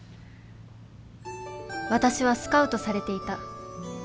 私はスカウトされていた。